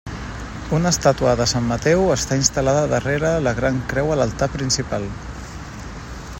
Una estàtua de sant Mateu està instal·lada darrere la gran creu a l'altar principal.